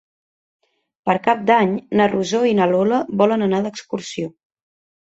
Per Cap d'Any na Rosó i na Lola volen anar d'excursió.